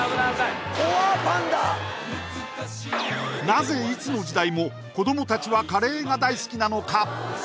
なぜいつの時代も子どもたちはカレーが大好きなのか